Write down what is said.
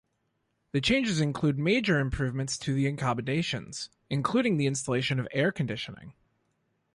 The changes included major improvements to the accommodation, including the installation of air conditioning.